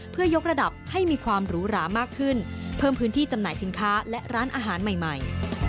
เพื่อยกระดับให้มีความหรูหรามากขึ้นเพิ่มพื้นที่จำหน่ายสินค้าและร้านอาหารใหม่